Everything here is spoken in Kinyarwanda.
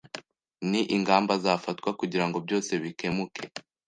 ni ingamba zafatwa kugirango byose bikemuke